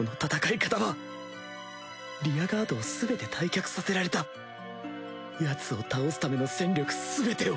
リアガードをすべて退却させられたヤツを倒すための戦力すべてを！